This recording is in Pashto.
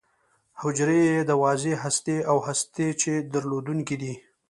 حجرې یې د واضح هستې او هسته چي درلودونکې دي.